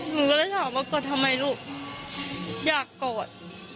หนูก็เลยถามว่ากอดทำไมลูกอยากกอด